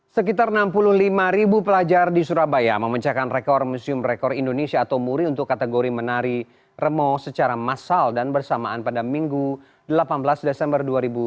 sekitar enam puluh lima ribu pelajar di surabaya memecahkan rekor museum rekor indonesia atau muri untuk kategori menari remo secara massal dan bersamaan pada minggu delapan belas desember dua ribu dua puluh